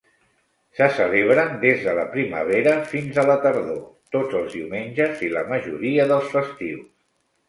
Se celebren des de la primavera fins a la tardor, tots els diumenges i la majoria dels festius.